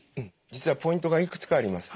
実はポイントがいくつかあります。